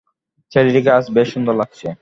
ছেলেটিকে আজ বেশ সুন্দর লাগছে।